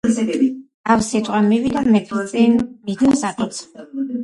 ავსიტყვა მივიდა და მეფის წინ მიწას აკოცა.